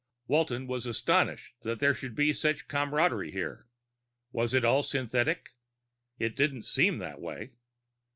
Walton was astonished that there should be such camaraderie here. Was it all synthetic? It didn't seem that way.